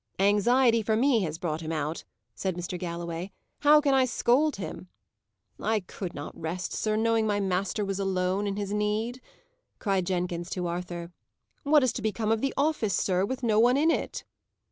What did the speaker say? "Anxiety for me has brought him out," said Mr. Galloway. "How can I scold him?" "I could not rest, sir, knowing my master was alone in his need," cried Jenkins to Arthur. "What is to become of the office, sir, with no one in it?"